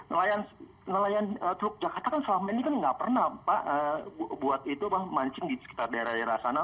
nelayan teluk jakarta kan selama ini kan nggak pernah pak buat itu mancing di sekitar daerah daerah sana